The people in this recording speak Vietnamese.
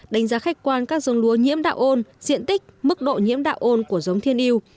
đánh giá khách quan các giống lúa nhiễm đạo ôn diện tích mức độ nhiễm đạo ôn của giống thiên yêu